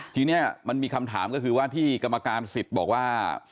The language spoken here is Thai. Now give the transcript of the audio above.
ทีนี้มันมีคำถามก็คือว่าที่กรรมการสิทธิ์บอกว่า